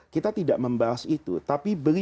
kita tidak membahas itu tapi beliau itu